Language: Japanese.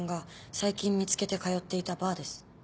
最近見つけて通っていたバーです。